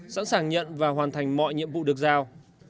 sẵn sàng nhận và hoàn thành mọi nhiệm vụ được giao